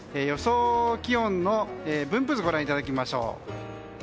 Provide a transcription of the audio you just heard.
予想気温の分布図をご覧いただきましょう。